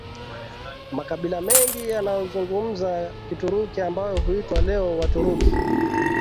Makabila mengi yanayozungumza Kituruki ambayo huitwa leo Waturuki